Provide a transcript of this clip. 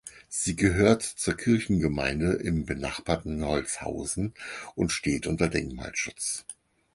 Sie gehört zur Kirchgemeinde im benachbarten Holzhausen und steht unter Denkmalschutz.